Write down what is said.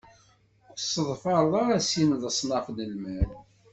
Ur tesseḍfareḍ ara sin n leṣnaf n lmal.